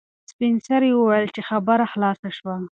سپین سرې وویل چې خبره خلاصه شوه.